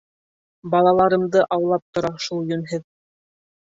Балаларымды аулап тора шул йүнһеҙ.